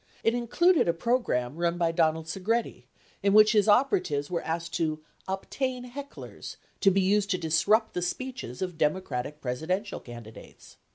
It included a program run by Donald Segretti, in which his operatives were asked to "obtain hecklers," to be used to disrupt the speeches of Democratic Presidential candidates.